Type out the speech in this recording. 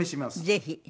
ぜひ。